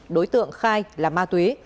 đối tượng khai là ma túy